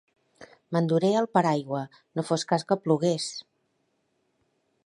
M'enduré el paraigua, no fos cas que plogués.